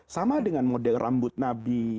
sama dengan model rambut nabi